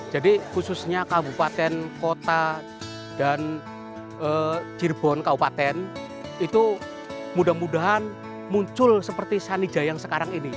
jadi khususnya kabupaten kota dan cirebon kabupaten itu mudah mudahan muncul seperti sani jaya yang sekarang ini